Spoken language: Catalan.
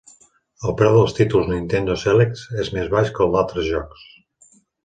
El preu dels títols "Nintendo Selects" 'es més baix que el d'altres jocs.